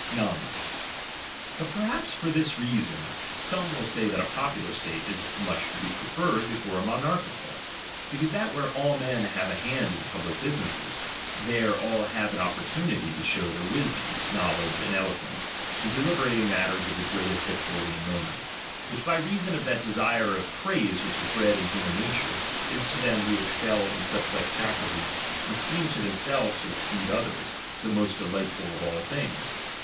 I (he subject!. 136 DOMINION. 9. But perhaps for this very reason, some will say that a popular state is much to be preferred before a monnrchical ; because that where all men have a hand in public businesses, there all have an ' opportunity to shew their wisdom, knowledge, and eloquence, in deliberating matters of the greatest difficulty and moment ; which by reason of that desire of praise which is bred in human nature, is to them who excel in such like faculties, and seem to themselves to exceed others, the most delightful of all things.